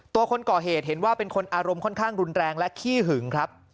คนก่อเหตุเห็นว่าเป็นคนอารมณ์ค่อนข้างรุนแรงและขี้หึงครับ